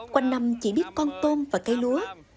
quanh nằm chỉ biết con tôm và cây lúa